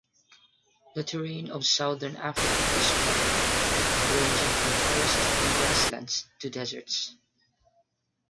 The terrain of Southern Africa is varied, ranging from forest and grasslands to deserts.